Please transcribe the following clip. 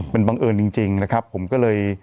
มันบังเอิญจริงนะครับผมก็เลย